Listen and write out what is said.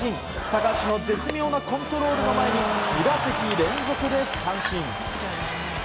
高橋の絶妙なコントロールの前に２打席連続で三振。